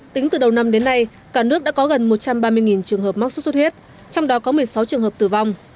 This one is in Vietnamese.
tính từ đầu năm đến nay cả nước đã có gần một trăm ba mươi trường hợp mắc sốt xuất huyết trong đó có một mươi sáu trường hợp tử vong